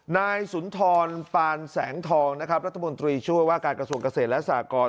นายสุนทรปานแสงทองรัฐบุรติช่วยว่าการกระสวนเกษตรและสากร